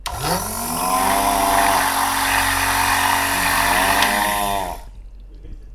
Pedro Emanuel was born in Luanda, Portuguese Angola.